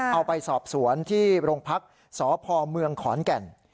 เอาไปสอบสวนที่โรงพักษ์สพเมืองขอนแก่น